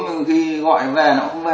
có khi gọi nó về